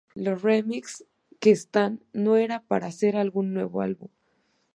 Los remixes que existían no era para hacer algún nuevo álbum.